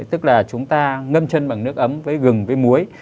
tức là chúng ta ngâm chân bằng nước ấm với gừng với muối